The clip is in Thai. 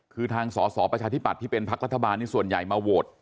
คือทางสอสอประชาธิบัติที่เป็นพักรัฐบาลนี้ส่วนใหญ่มาโหวต